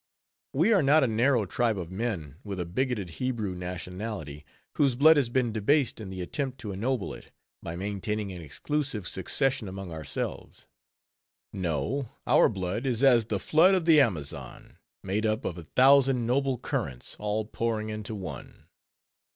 We are not a narrow tribe of men, with a bigoted Hebrew nationality—whose blood has been debased in the attempt to ennoble it, by maintaining an exclusive succession among ourselves. No: our blood is as the flood of the Amazon, made up of a thousand noble currents all pouring into one.